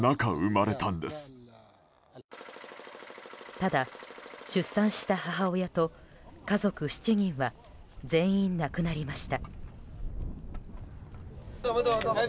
ただ、出産した母親と家族７人は全員亡くなりました。